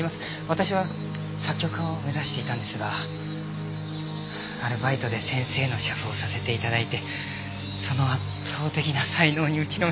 私は作曲家を目指していたんですがアルバイトで先生の写譜をさせて頂いてその圧倒的な才能に打ちのめされまして。